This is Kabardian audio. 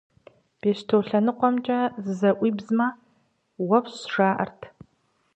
Бещто лъэныкъуэмкӀэ зызэӀуибзмэ, уэфщӀ, жаӀэрт.